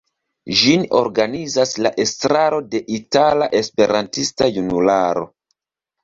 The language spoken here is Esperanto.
Ĝin organizas la estraro de Itala Esperantista Junularo.